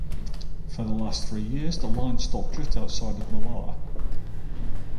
For the last three years the line stopped just outside of Molalla.